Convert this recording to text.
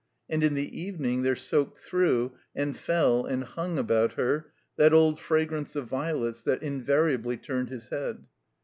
And in the evening there soaked through and fell and hung about her that old fra grance of violets that invariably turned his head.